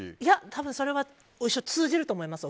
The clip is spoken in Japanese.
多分それはお二人とも通じると思います。